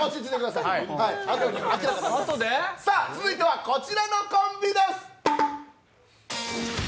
さあ続いてはこちらのコンビです